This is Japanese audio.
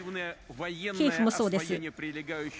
キーウもそうです。